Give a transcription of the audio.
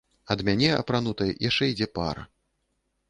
Ад мяне, апранутай, яшчэ ідзе пара.